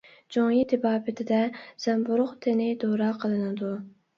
جۇڭيى تېبابىتىدە زەمبۇرۇغ تېنى دورا قىلىنىدۇ.